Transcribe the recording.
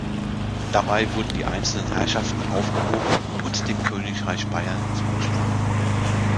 Dabei wurden die einzelnen Herrschaften aufgehoben und dem Königreich Bayern zugeschlagen.